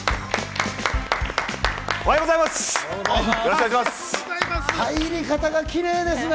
おはようございます！